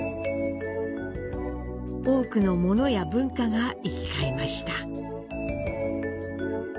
多くの物や文化が行き交いました。